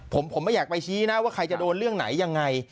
ผมไม่อยากไปชี้นะว่าใครจะโดนเรื่องไหนยังไง